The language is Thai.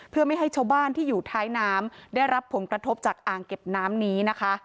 เพื่อไม่ให้ชาวบ้านที่อยู่ท้ายน้ำได้รับผลกระทบจากอ่างเก็บน้ำนี้นะคะ